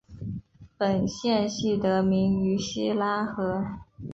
本县系得名于希拉河。